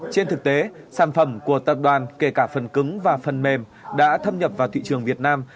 trên thực tế sản phẩm của tập đoàn kể cả phần cứng và phần mềm đã thâm nhập vào thị trường việt nam